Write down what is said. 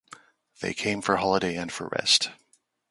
They came home for holiday and for rest.